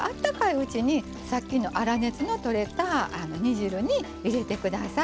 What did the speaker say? うちにさっきの粗熱のとれた煮汁に入れて下さい。